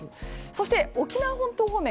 そして、沖縄本島方面